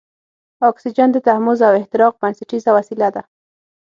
اکسیجن د تحمض او احتراق بنسټیزه وسیله ده.